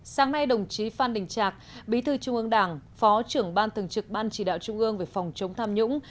sáng nay đồng chí phan đình trạc bí thư trung ương đảng phó trưởng ban thường trực ban chỉ đạo trung ương về phòng chống tham nhũng